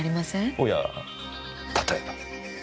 おや例えば？